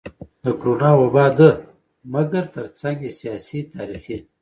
د کرونا وبا ده مګر ترڅنګ يې سياسي, تاريخي,